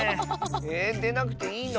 えっでなくていいの？